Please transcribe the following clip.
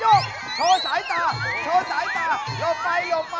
เอาใจแล้วทุกครับ